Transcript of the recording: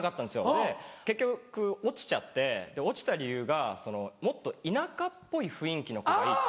で結局落ちちゃって落ちた理由がもっと田舎っぽい雰囲気の子がいいって。